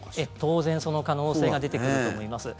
当然、その可能性が出てくると思います。